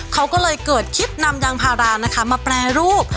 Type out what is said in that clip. เขาก็เลยเกิดคิดนำยางพารานะคะมาแปรรูป